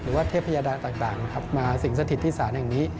หรือว่าเทพยาดาต่างมาสิ่งสถิตที่สารอย่างนี้